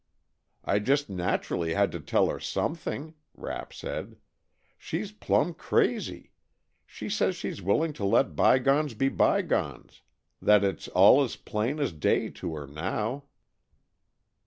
"I just naturally had to tell her something," Rapp said. "She's plumb crazy. She says she's willing to let by gones be by gones; that it's all as plain as day to her now."